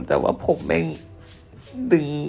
แต่ว่าผมแม่ง